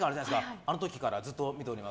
あの時からずっと見ております。